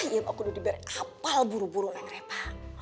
ya mah aku udah diberi kapal buru buru neng repa